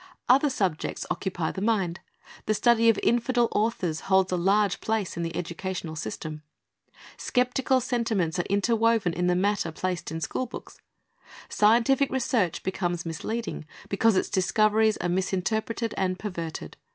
Other subjects occupy the mind. The study of infidel authors holds a large place in the educational system. Skeptical sentiments are inter woven in the matter placed in school books. Scientific research becomes misleading, because its discoveries are misinterpreted and perverted.